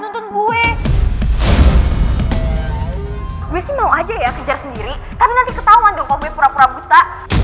tapi nanti ketauan dong kalo gue pura pura buta